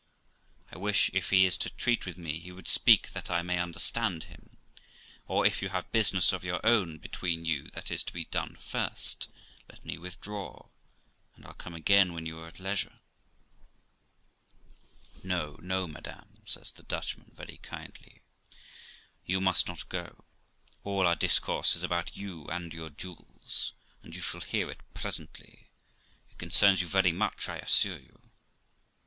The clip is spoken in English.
I wish, if he is to treat with me, he would speak that I may understand him ; or if you have business of your own between you that is to be done first, let me withdraw, and I'll come again when you are at leisure.' 260 THE LIFE OF ROXANA 'No, no, madam', says the Dutchman very kindly; 'you must not go; all our discourse is about you and your jewels, and you shall hear it presently; it concerns you very much, I assure you.'